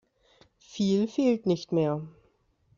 Viel fehlt nicht mehr.